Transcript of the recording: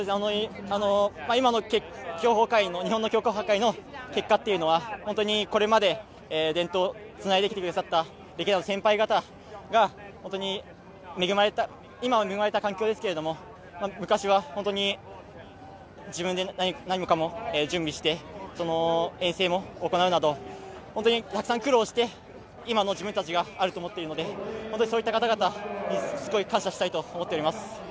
今の日本の競歩界の結果っていうのはこれまで伝統をつないできてくださった歴代の先輩方が本当に今、恵まれた環境ですけれども昔は本当に自分で何もかも準備して、遠征も行うなどたくさん苦労して今の自分たちがあると思っているので本当にそういった方々にすごい感謝したいと思っています。